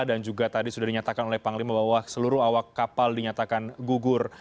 dan juga tadi sudah dinyatakan oleh bang liman bahwa seluruh awak kapal dinyatakan gugur